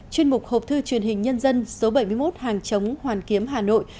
chuyên mục hộp thư truyền hình nhân dân số bảy mươi một hàng chống hoàn kiếm hà nội